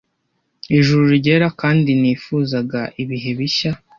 ijuru ryera kandi nifuzaga ibihe bishya